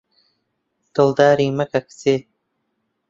دڵداری مەکە کچێ